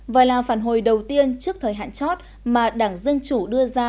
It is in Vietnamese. và là phản hồi đầu tiên trước thời hạn chót mà đảng dân chủ đưa ra